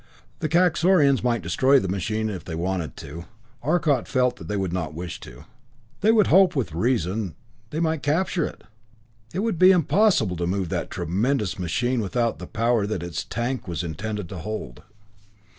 The Kaxorians might destroy the machine if they wanted to Arcot felt that they would not wish to. They would hope, with reason, they might recapture it! It would be impossible to move that tremendous machine without the power that its "tank" was intended to hold.